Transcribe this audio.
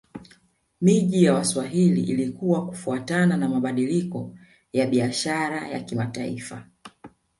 Miji ya Waswahili ilikua kufuatana na mabadiliko ya biashara ya kimataifa